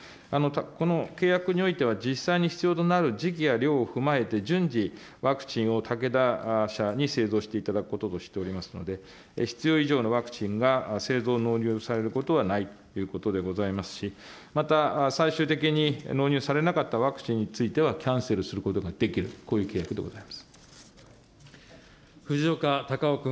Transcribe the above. この契約においては、実際に必要となる時期や量を踏まえて順次、ワクチンを武田社に製造していただくこととしておりますので、必要以上のワクチンが製造、納入されることはないということでございますし、また、最終的に納入されなかったワクチンについては、キャンセルすることができる、藤岡隆雄君。